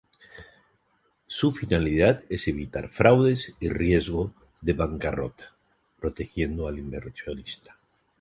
Su finalidad es evitar fraudes y riesgo de bancarrota, protegiendo al inversionista.